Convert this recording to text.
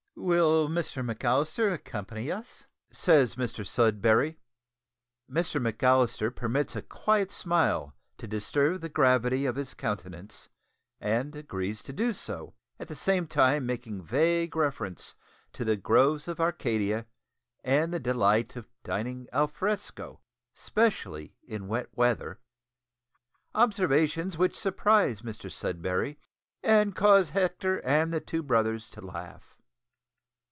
"Will Mr McAllister accompany us?" says Mr Sudberry. Mr McAllister permits a quiet smile to disturb the gravity of his countenance, and agrees to do so, at the same time making vague reference to the groves of Arcadia, and the delight of dining alfresco, specially in wet weather, observations which surprise Mr Sudberry, and cause Hector and the two brothers to laugh.